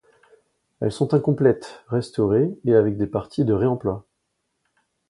Elles sont incomplètes, restaurée et avec des parties de réemploi.